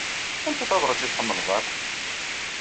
Anta tarbaɛt i tḥemmleḍ akk?